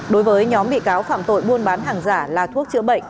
đối với nhóm bị cáo phạm tội buôn bán hàng giả là thuốc chữa bệnh